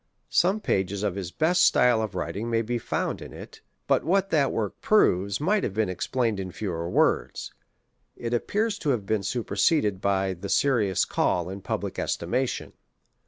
Some pages of his best style of writing may be found in it; but what that work proves might have been explained in fewer words : it appears to have been superseded by the Serious Call in public estimation.